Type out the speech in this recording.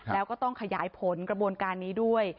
แล้วก็ต้องขยายผลกระบวนการนี้ด้วย